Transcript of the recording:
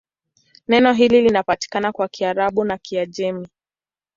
Neno hili linapatikana kwa Kiarabu na Kiajemi.